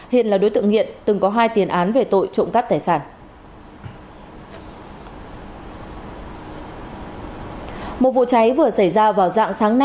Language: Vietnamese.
hiền là đối tượng nghiện từng có hai tiền án về tội trộm cắp tài sản